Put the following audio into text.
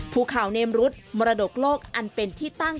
ภูเขาเนมรุฑมรดกโลกอันเป็นที่ตั้ง